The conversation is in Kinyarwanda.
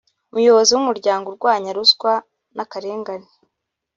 umuyobozi wumuryango urwanya ruswa nakarengane